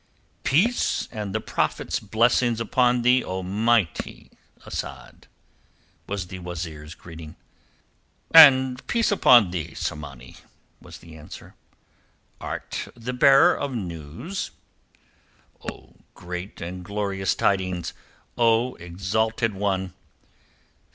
"Peace and the Prophet's blessings upon thee, O mighty Asad!" was the wazeer's greeting. "And peace upon thee, Tsamanni," was the answer. "Art the bearer of news?" "Of great and glorious tidings, O exalted one!